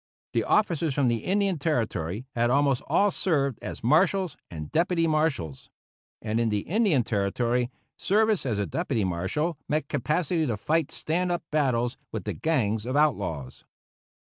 The officers from the Indian Territory had almost all served as marshals and deputy marshals; and in the Indian Territory, service as a deputy marshal meant capacity to fight stand up battles with the gangs of outlaws.